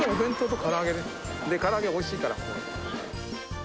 から揚げおいしいから、ここの。